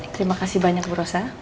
terima kasih banyak brosa